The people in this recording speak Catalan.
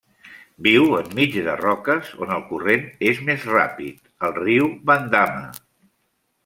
Viu enmig de roques on el corrent és més ràpid al riu Bandama.